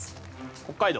北海道。